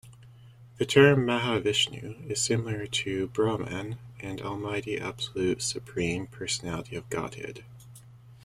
The term Mahavishnu is similar to Brahman and Almighty Absolute Supreme Personality of Godhead.